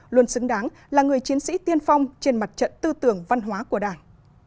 luôn xứng đáng là người chiến sĩ tiên phong trên mặt trận tư tưởng văn hóa của đảng